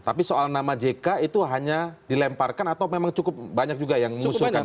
tapi soal nama jk itu hanya dilemparkan atau memang cukup banyak juga yang mengusulkan